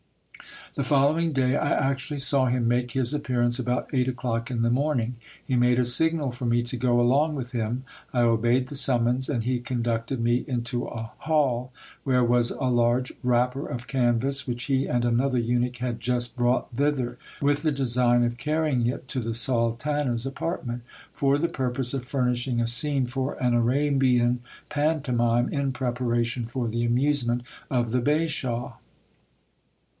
The following day, I actually saw him make his ap pearance about eight o'clock in the morning. He made a signal for me to go along with him : I obeyed the summons ; and he conducted me into a hall where was a large wrapper of canvas which he and another eunuch had just brought thither, with the design of carrying it to the sultana's apartment, for the purpose of furnishing a scene for an Arabian pantomime, in preparation for the amusement of the bashaw.